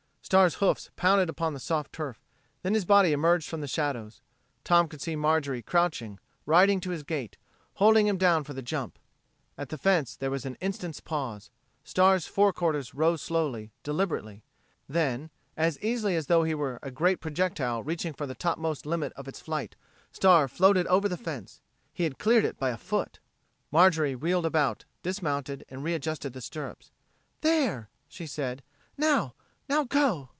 Star's hoofs pounded upon the soft turf, then his body emerged from the shadows. Tom could see Marjorie crouching, riding to his gait, holding him down for the jump. At the fence there was an instant's pause; Star's forequarters rose slowly, deliberately; then, as easily as though he were a great projectile reaching the topmost limit of its flight, Star floated over the fence. He had cleared it by a foot. Marjorie wheeled about, dismounted, and readjusted the stirrups. "There!" she said. "Now now, go."